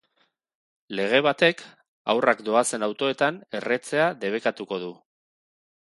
Lege batek haurrak doazen autoetan erretzea debekatuko du.